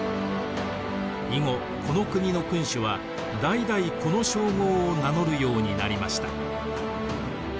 以後この国の君主は代々この称号を名乗るようになりました。